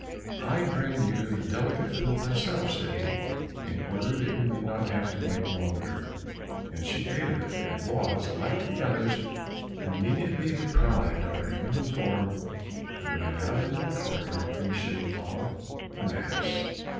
"I bring you the delicate food myself," said he, "in order that you may not have to wait longer." Then she ate of it, and was, like the others, immediately deprived of her human form, and ran out into the courtyard in the shape of an ass.